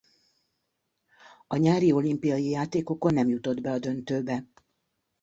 A nyári olimpiai játékokon nem jutott be a döntőbe.